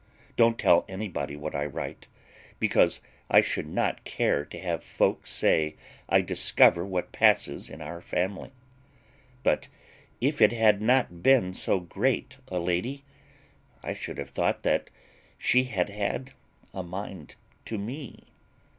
"Don't tell anybody what I write, because I should not care to have folks say I discover what passes in our family; but if it had not been so great a lady, I should have thought she had had a mind to me.